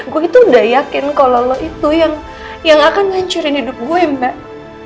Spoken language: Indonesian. gue itu udah yakin kalau lo itu yang akan menghancurkan hidup gue mbak